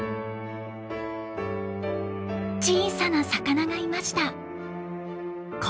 小さな魚がいました。